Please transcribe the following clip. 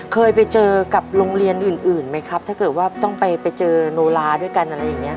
เคยไปเจอกับโรงเรียนอื่นไหมครับถ้าเกิดว่าต้องไปเจอโนลาด้วยกันอะไรอย่างนี้